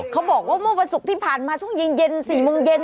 เขาบอกว่าเมื่อวันศุกร์ที่ผ่านมาช่วงเย็น๔โมงเย็น